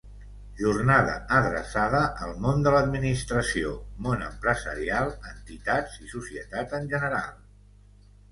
Jornada adreçada al món de l'administració, món empresarial, entitats, i societat en general.